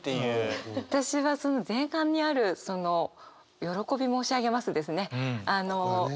私はその前半にあるその「喜び申し上げます」ですね。